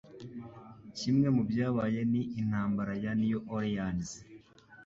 Kimwe mubyabaye ni Intambara ya New Orleans.